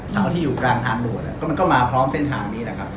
เสาที่อยู่กลางทางด่วนก็มันก็มาพร้อมเส้นทางนี้แหละครับ